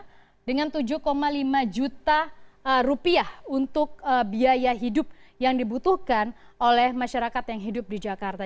jadi kita memiliki rp lima lima juta untuk biaya hidup yang dibutuhkan oleh masyarakat yang hidup di jakarta